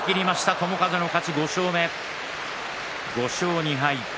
友風の勝ち、５勝目、５勝２敗。